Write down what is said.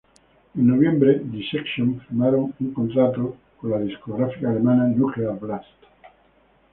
En noviembre, Dissection firmaron un contrato con la discográfica alemana Nuclear Blast.